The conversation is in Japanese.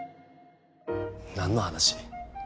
何の話？